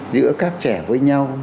giữa các trẻ với nhau